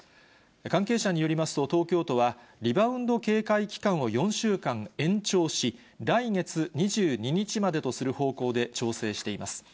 関係者によりますと、東京都は、リバウンド警戒期間を４週間延長し、来月２２日までとする方向で調整しています。